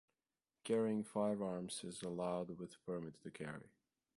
Carrying firearms is allowed with permit to carry.